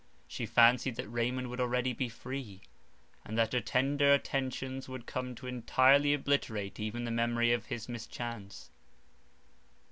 She fancied that Raymond would already be free, and that her tender attentions would come to entirely obliterate even the memory of his mischance.